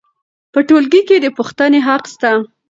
په ټولګي کې د پوښتنې حق سته.